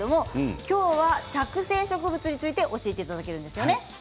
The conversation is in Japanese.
今日は着生植物について教えていただけるんですよね。